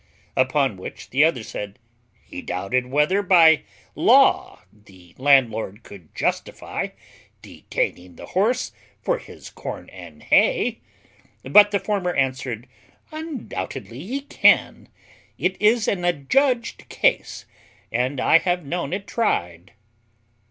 Upon which the other said, "He doubted whether, by law, the landlord could justify detaining the horse for his corn and hay." But the former answered, "Undoubtedly he can; it is an adjudged case, and I have known it tried."